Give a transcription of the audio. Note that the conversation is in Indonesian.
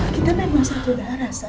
kita memang satu darah sa